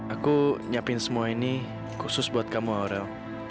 aku nyiapin semua ini khusus buat kamu orel